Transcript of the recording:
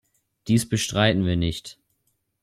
Dies bestreiten wir nicht.